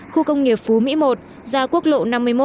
khu công nghiệp phú mỹ một ra quốc lộ năm mươi một